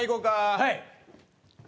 はい。